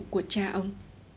của cha ông